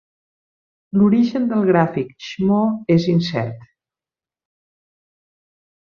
L'origen del gràfic shmoo és incert.